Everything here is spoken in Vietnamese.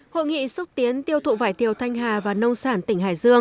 hội nghị xúc tiến tiêu thụ vải thiều thanh hà và nông sản tỉnh hải dương